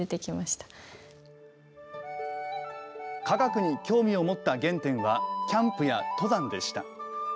化学に興味を持った原点はキャンプや登山でした。